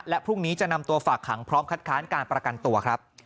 และพรุ่งนี้จะนำตัวฝากขังพร้อมคัดค้านการประกันตัวครับ